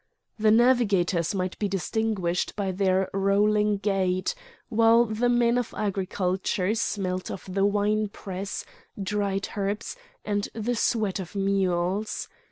The navigators might be distinguished by their rolling gait, while the men of agriculture smelt of the wine press, dried herbs, and the sweat of mules.